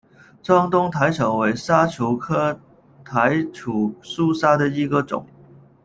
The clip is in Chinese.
藏东薹草为莎草科薹草属下的一个种。